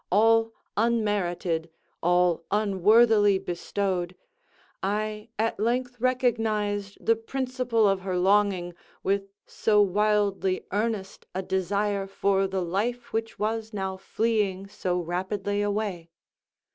all unmerited, all unworthily bestowed, I at length recognized the principle of her longing with so wildly earnest a desire for the life which was now fleeing so rapidly away.